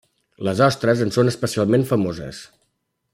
Les ostres en són especialment famoses.